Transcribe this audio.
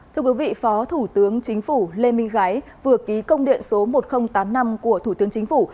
thưa quý vị phó thủ tướng chính phủ lê minh gái vừa ký công điện số một nghìn tám mươi năm của thủ tướng chính phủ